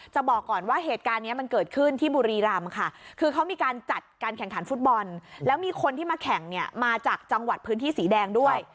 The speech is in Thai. บอกก่อนว่าเหตุการณ์นี้มันเกิดขึ้นที่บุรีรำค่ะคือเขามีการจัดการแข่งขันฟุตบอลแล้วมีคนที่มาแข่งเนี่ยมาจากจังหวัดพื้นที่สีแดงด้วย